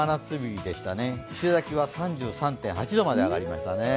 伊勢崎は３３．８度まで上がりましたね。